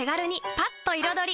パッと彩り！